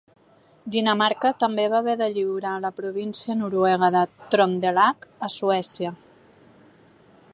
Dinamarca també va haver de lliurar la província noruega de Trøndelag a Suècia.